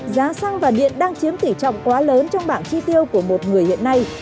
giá xăng và điện đang chiếm tỷ trọng quá lớn trong bảng chi tiêu của một người hiện nay